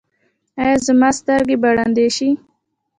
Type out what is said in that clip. ایا زما سترګې به ړندې شي؟